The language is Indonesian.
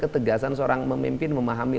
ketegasan seorang memimpin memahami